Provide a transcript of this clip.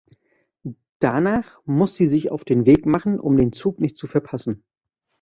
Danach muss sie sich auf den Weg machen, um den Zug nicht zu verpassen.